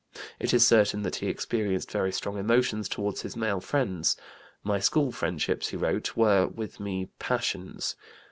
It is certain that he experienced very strong emotions toward his male friends. "My school friendships," he wrote, "were with me passions."